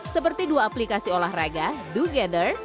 seperti dua aplikasi olahraga dogether